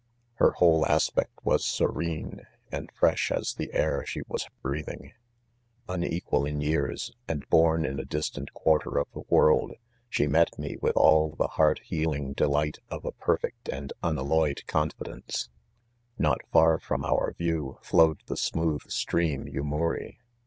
Hex whole aspect was serene, and fresh as the air she was breathing. Unequal in years and horn in a distant quarter .of the worlds she met me with all the heart healing delight jftC B^per rfee t and unwiloy^d'eonfideaee, — Not far from our view, flowed the smooth ^rsf»m Yurnuri.